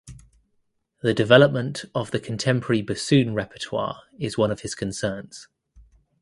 The development of the contemporary bassoon repertoire is one of his concerns.